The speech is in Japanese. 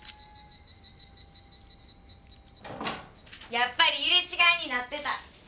やっぱり入れ違いになってた。